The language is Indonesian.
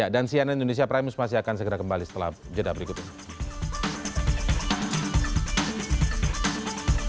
dan cnn indonesia prime news masih akan segera kembali setelah berita berikut ini